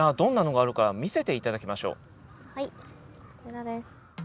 はいこちらです。